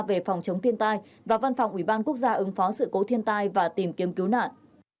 về phòng chống thiên tai và văn phòng ủy ban quốc gia ứng phó sự cố thiên tai và tìm kiếm cứu nạn